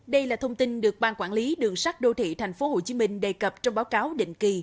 đây là thông tin được ban quản lý đường sắt đô thị tp hcm đề cập trong báo cáo định kỳ